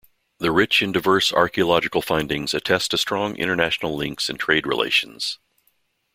The rich and diverse archaeological findings attest to strong international links and trade relations.